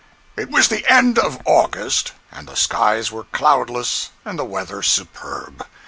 It was the end of August, and the skies were cloudless and the weather superb.